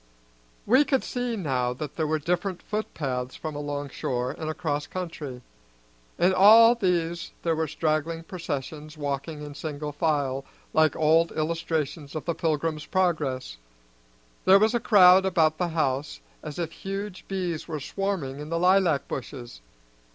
We could see now that there were different footpaths from along shore and across country. In all these there were straggling processions walking in single file, like old illustrations of the Pilgrim's Progress. There was a crowd about the house as if huge bees were swarming in the lilac bushes.